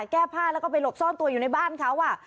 แก้ผ้าแล้วก็ไปหลบซ่อนตัวอยู่ในบ้านเขา